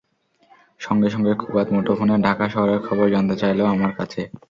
সঙ্গে সঙ্গে কোবাদ মুঠোফোনে ঢাকা শহরের খবর জানতে চাইল আমার কাছে।